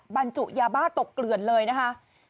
บรรจุยาบ้าตกเกลือนเลยนะคะ